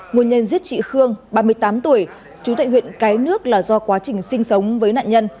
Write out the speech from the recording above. nguồn nhân giết chị khương ba mươi tám tuổi chú tại huyện cái nước là do quá trình sinh sống với nạn nhân